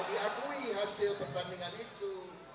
biasanya tidak mau diakui hasil pertandingan itu